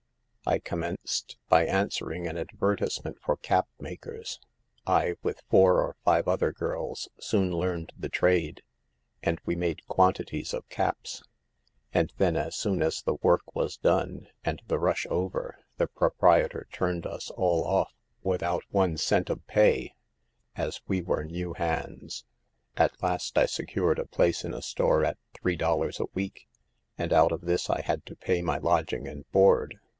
I commenced, by answering an advertisement for cap makers. I, with four or five other girls, soon learned the trade, and we made quantities of caps. And then, as soon as the work was done and the rush over, the proprietor turned us all off without one cent of pay, as we were new hands. At last I secured a place in a store at three dollars a week, and out of this I had to pay my lodging and board.